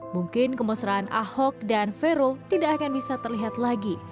mungkin kemesraan ahok dan vero tidak akan bisa terlihat lagi